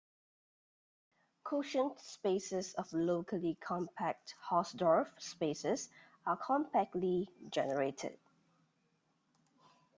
Quotient spaces of locally compact Hausdorff spaces are compactly generated.